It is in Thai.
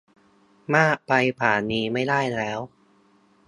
มากไปกว่านี้ไม่ได้แล้ว